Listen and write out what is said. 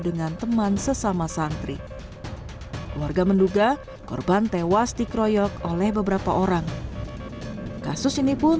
dengan teman sesama santri keluarga menduga korban tewas dikroyok oleh beberapa orang kasus ini pun